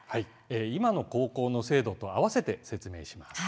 今の高校の制度と合わせて説明します。